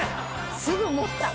すぐ持った。